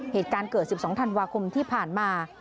เหตุการณ์เกิด๑๒ธันวาคมที่ผ่านมา